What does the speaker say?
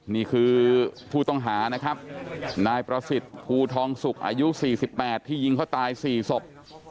นี่คือผู้ต้องหานะครับนายประสิทธิ์ภูทองสุกอายุ๔๘ที่ยิงเขาตาย๔ศพ